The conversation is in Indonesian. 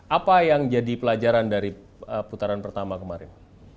apa yang jadi pelajaran dari putaran pertama kemarin